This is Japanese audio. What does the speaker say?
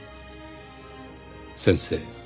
「先生